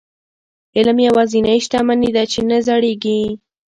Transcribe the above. علم یوازینۍ شتمني ده چې نه زړيږي.